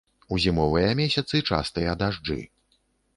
У зімовыя месяцы частыя дажджы.